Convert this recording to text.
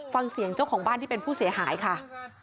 ฟังเสียงเจ้าของบ้านที่เป็นผู้เสียหายค่ะ